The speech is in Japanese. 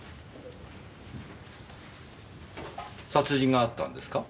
殺人があったんですか？